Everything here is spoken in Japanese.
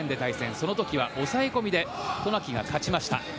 その時は抑え込みで渡名喜が勝ちました。